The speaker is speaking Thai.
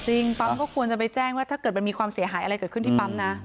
ปั๊มก็ควรจะไปแจ้งว่าถ้าเกิดมันมีความเสียหายอะไรเกิดขึ้นที่ปั๊มนะ